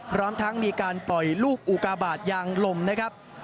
พร้อมทั้งมีการปล่อยลูกอุกาบาทยางลมนะครับ